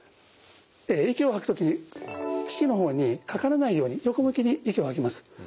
息を吐く時機器の方にかからないように横向きに息を吐きます。